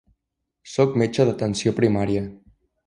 Sóc metge d'atenció primària.